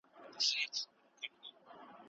نوي نسلونه د ټولنې لخوا روزل کیږي.